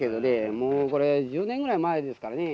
もうこれ１０年ぐらい前ですからね。